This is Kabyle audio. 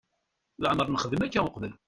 Leɛmeṛ nexdem akka uqbel.